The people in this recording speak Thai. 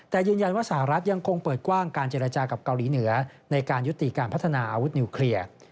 แต่ยืนยันว่าสหรัฐยังคงเปิดกว้างการเจรจากับเกาหลีเหนือในการยุติการพัฒนาอาวุธนิวเคลียร์